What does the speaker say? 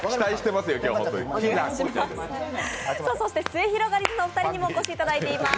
すゑひろがりずのお二人にもお越しいただいています。